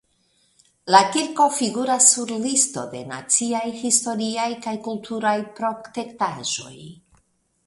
La kirko figuras sur listo de naciaj historiaj kaj kulturaj protektotaĵoj.